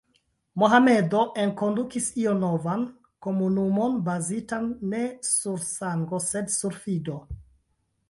Mohamedo enkondukis ion novan: komunumon bazitan ne sur sango, sed sur fido.